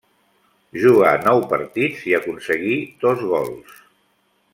Jugà nou partits i aconseguí dos gols.